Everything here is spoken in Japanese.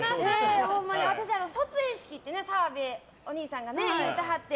卒園式って、澤部お兄さんが言うてはって。